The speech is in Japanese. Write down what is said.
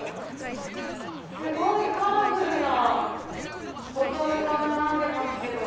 すごいカラフルなボトルが並んでますけど。